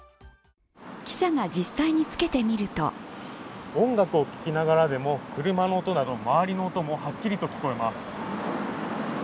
記者が実際につけてみると音楽を聴きながらでも車の音など、周りの音もはっきり聞こえます。